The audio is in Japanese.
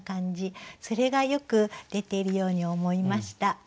それがよく出ているように思いました。